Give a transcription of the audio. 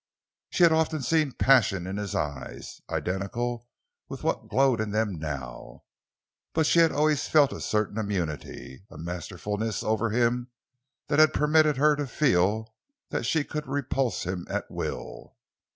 She had often seen passion in his eyes, identical with what glowed in them now, but she had always felt a certain immunity, a masterfulness over him that had permitted her to feel that she could repulse him at will.